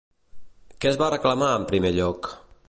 Què es va reclamar en primer lloc?